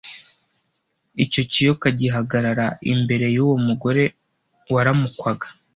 Icyo kiyoka gihagarara imbere y’uwo mugore waramukwaga,